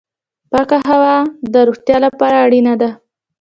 پاکه هوا د روغتیا لپاره اړینه ده